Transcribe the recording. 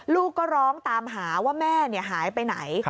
ลูกก็ร้องตามหาว่าแม่หายไปไหน